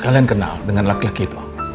kalian kenal dengan laki laki itu